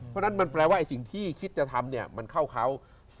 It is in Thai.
เพราะฉะนั้นมันแปลว่าสิ่งที่คิดจะทำเนี่ยมันเข้าเขา